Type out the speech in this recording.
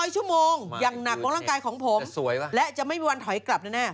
ชั่วโมงอย่างหนักของร่างกายของผมและจะไม่มีวันถอยกลับแน่